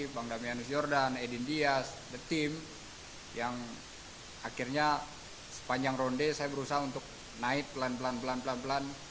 bang damianus yordan edin dias the team yang akhirnya sepanjang ronde saya berusaha untuk naik pelan pelan